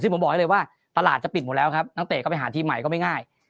ซึ่งผมบอกให้เลยว่าตลาดจะปิดหมดแล้วครับนักเตะก็ไปหาทีมใหม่ก็ไม่ง่าย